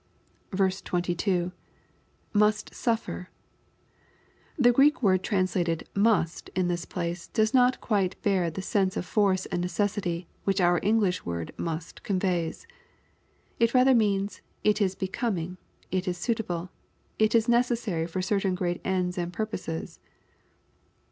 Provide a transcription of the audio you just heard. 22. — [Must suffer.] The Greek word translated "must" in this place, does not quite bear the sense of force and necessity, which our English word " must" conveys. It rather means, " it is becoming, it is suitable, it is necessary for certain great ends and purposes.''